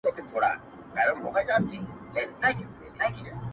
چي یې هیري دښمنۍ سي د کلونو د عمرونو!